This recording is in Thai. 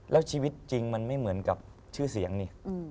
แล้วชีวิตจริงมันไม่เหมือนกับชื่อเสียงนี่